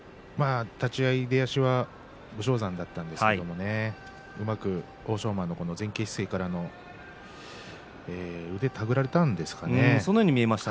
立ち合い出だしは武将山だったんですがうまく欧勝馬、前傾姿勢からの手繰られたんでしょうかね。